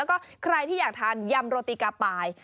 แล้วก็ใครที่อยากทานยำโรตีกาปาย